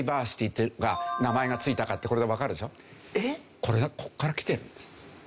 これここから来てるんです。